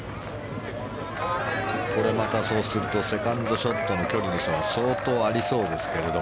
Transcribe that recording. これまた、そうするとセカンドショットの距離の差が相当ありそうですけど